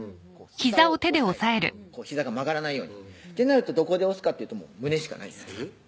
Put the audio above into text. ひざを押さえてひざが曲がらないようにとなるとどこで押すかっていうともう胸しかないんです